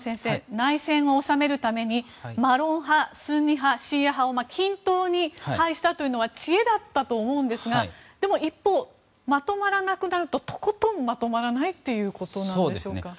内戦を収めるためにマロン派、スンニ派、シーア派を均等に配したというのは知恵だったと思うんですがでも一方、まとまらなくなるととことん、まとまらないということなんでしょうか。